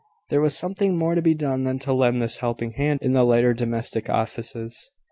There was something more to be done than to lend this helping hand in the lighter domestic offices.